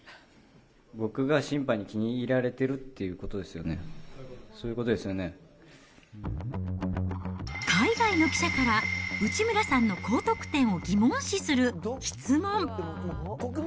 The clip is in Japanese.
僕が審判に気に入られてるっていうことですよね、そういうことで海外の記者から、内村さんの高得点を疑問視する質問。